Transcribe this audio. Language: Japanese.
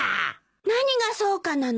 何がそうかなの？